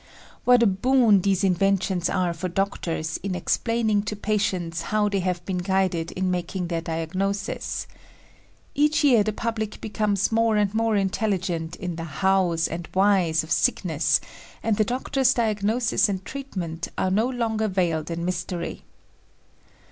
What a boon these inventions are for doctors in explaining to patients how they have been guided in making their diagnosis! Each year the public becomes more and more intelligent in the hows and whys of sickness and the doctors' diagnosis and treatment are no longer veiled in mystery.